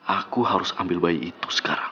aku harus ambil bayi itu sekarang